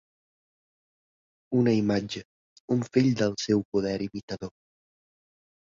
Una imatge, un fill del seu poder imitador